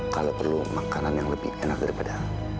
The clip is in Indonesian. kalau perlu makanan yang lebih enak daripada